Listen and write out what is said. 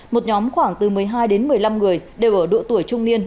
một nhóm khoảng từ một mươi hai đến một mươi năm người đều ở độ tuổi trung niên